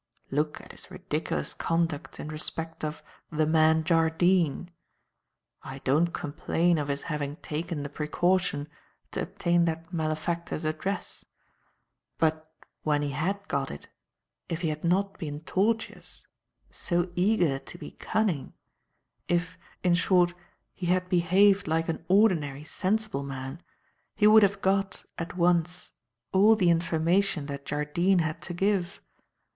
Look at his ridiculous conduct in respect of 'the man Jardine'. I don't complain of his having taken the precaution to obtain that malefactor's address; but, when he had got it, if he had not been tortuous, so eager to be cunning; if, in short, he had behaved like an ordinary sensible man, he would have got, at once, all the information that Jardine had to give.